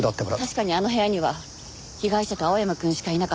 確かにあの部屋には被害者と青山くんしかいなかった。